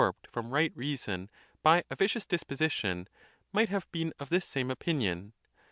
197 'ed from right reason by a vicious disposition, might have been of this same opinion.